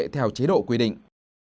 theo chế độ quy định